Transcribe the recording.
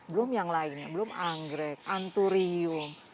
belum yang lainnya belum anggrek anturium